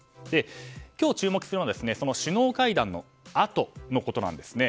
今日注目するのはその首脳会談のあとのことなんですね。